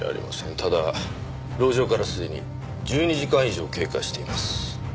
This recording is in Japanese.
ただ籠城からすでに１２時間以上経過しています。